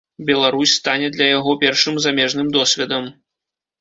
Беларусь стане для яго першым замежным досведам.